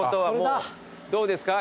どうですか？